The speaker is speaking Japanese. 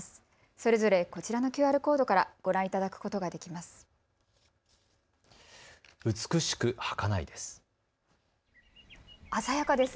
それぞれ、こちらのＱＲコードからご覧いただくことができます。